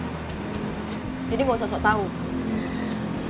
maksudnya lo yang paling ngotot buat nyari mundi